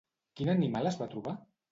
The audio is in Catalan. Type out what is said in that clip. Quin animal es va trobar?